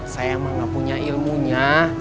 saya emang gak punya ilmunya